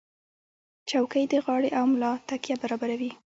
چوکۍ د غاړې او ملا تکیه برابروي.